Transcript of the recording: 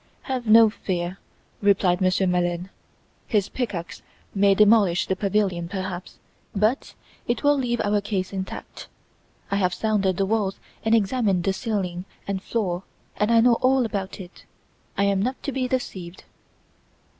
"Have no fear," replied Monsieur Maleine, "his pickaxe may demolish the pavilion, perhaps, but it will leave our case intact. I have sounded the walls and examined the ceiling and floor and I know all about it. I am not to be deceived."